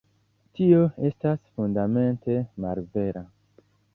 Tio estas fundamente malvera.